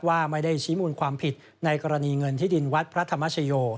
ว่าไม่ได้ชี้มูลความผิดในกรณีเงินที่ดินวัดพระธรรมชโย